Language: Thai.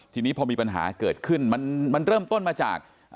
ทีนี้พอมีปัญหาเกิดขึ้นมันเริ่มต้นมาจาก